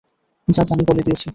যা জানি বলে দিয়েছি।